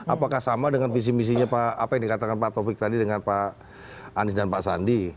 apakah sama dengan visi misinya pak taufik tadi dengan pak anies dan pak sandi